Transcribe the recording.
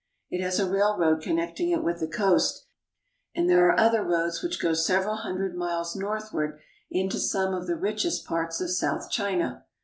It has a railroad connecting it with the coast, and there are other roads which go several hundred miles northward into some of the richest parts of south China.